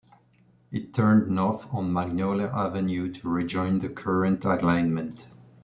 It turned north on Magnolia Avenue to rejoin the current alignment.